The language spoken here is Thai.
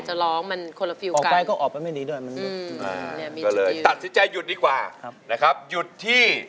หยุดที่